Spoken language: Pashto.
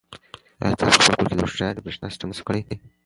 آیا تاسو په خپل کور کې د هوښیارې برېښنا سیسټم نصب کړی؟